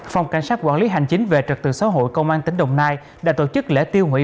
phòng cảnh sát quản lý hành chính về trật tự xã hội công an tỉnh đồng nai đã tổ chức lễ tiêu hủy